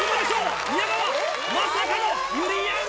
宮川まさかのゆりやんスタイル！